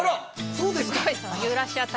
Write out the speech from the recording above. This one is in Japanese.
そうですか。